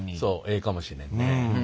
ええかもしれんね。